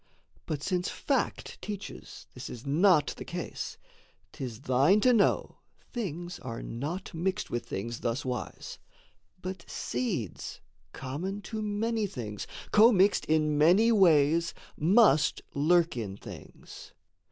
But since fact teaches this is not the case, 'Tis thine to know things are not mixed with things Thuswise; but seeds, common to many things, Commixed in many ways, must lurk in things.